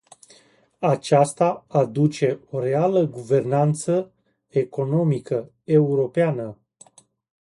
Acesta aduce o reală guvernanță economică europeană.